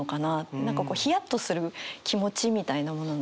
何かこうヒヤッとする気持ちみたいなものなのかなと思ったり。